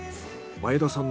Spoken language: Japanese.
前田さん